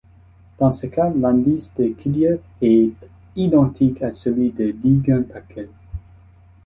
Dans ce cas l'indice de Curiel est identique à celui de Deegan-Packel.